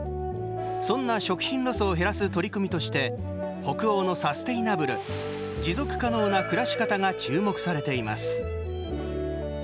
そんな食品ロスを減らす取り組みとして北欧の、サステナブル持続可能な暮らし方が注目されています。